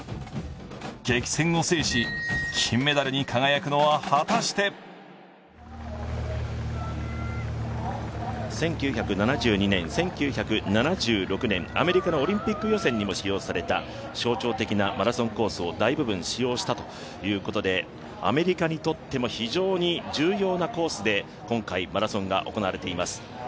激戦を制し金メダルに輝くのは果たして１９７２年、１９７６年アメリカのオリンピック予選にも使用された、象徴的なマラソンコースを大部分、使用したということでアメリカにとっても非常に重要なコースで今回、マラソンが行われています。